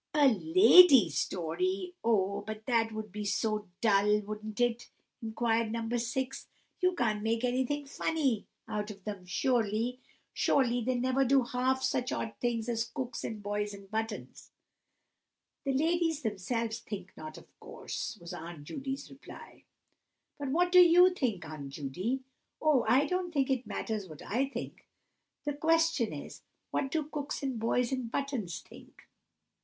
"A Lady Story! Oh, but that would be so dull, wouldn't it?" inquired No. 6. "You can't make anything funny out of them, surely! Surely they never do half such odd things as cooks, and boys in buttons!" "The ladies themselves think not, of course," was Aunt Judy's reply. "Well, but what do you think, Aunt Judy?" "Oh, I don't think it matters what I think. The question is, what do cooks and boys in buttons think?"